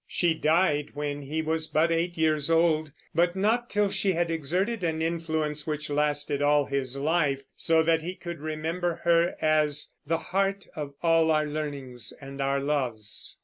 She died when he was but eight years old, but not till she had exerted an influence which lasted all his life, so that he could remember her as "the heart of all our learnings and our loves."